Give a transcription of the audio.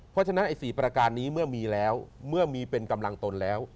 เพราะฉะนั้นไอ้๔ประการนี้เมื่อมีแล้วเมื่อมีเป็นกำลังตนแล้ว